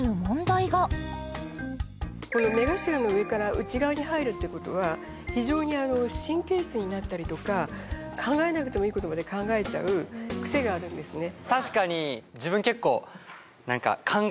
この目頭の上から内側に生えるってことは非常に神経質になったりとか考えなくてもいいことまで考えちゃう癖があるんですね